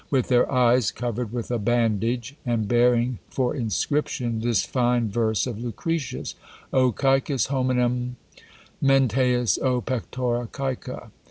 with their eyes covered with a bandage, and bearing for inscription this fine verse of Lucretius: O cæcas hominum menteis! O pectora cæca!